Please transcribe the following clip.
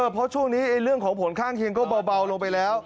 เพราะช่วงนี้เรื่องของผลข้างเคียงก็เบาลงไปแล้ว